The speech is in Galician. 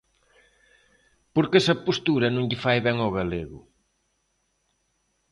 Porque esa postura non lle fai ben ao galego.